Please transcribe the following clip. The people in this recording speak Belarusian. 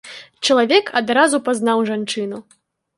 Чалавек адразу пазнаў жанчыну.